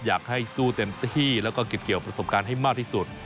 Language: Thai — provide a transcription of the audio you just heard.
อยากให้สู้เต็มที่และกรีบเกี่ยวประสงค์การให้มากที่สุด